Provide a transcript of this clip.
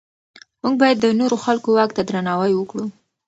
موږ باید د نورو خلکو واک ته درناوی وکړو.